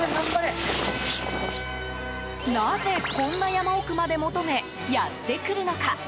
なぜ、こんな山奥まで求めやってくるのか。